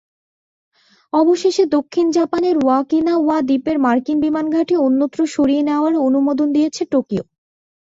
অবশেষে দক্ষিণ জাপানের ওকিনাওয়া দ্বীপের মার্কিন বিমানঘাঁটি অন্যত্র সরিয়ে নেওয়ার অনুমোদন দিয়েছে টোকিও।